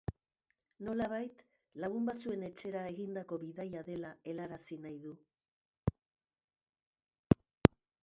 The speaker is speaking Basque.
Nolabait, lagun batzuen etxera egindako bidai bat dela helarazi nahi du.